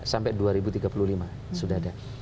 sampai dua ribu tiga puluh lima sudah ada